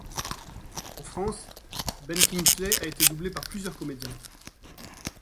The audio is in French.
En France, Ben Kingsley a été doublé par plusieurs comédiens.